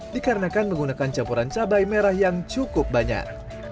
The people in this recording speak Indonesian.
dikarenakan menggunakan campuran cabai merah yang cukup banyak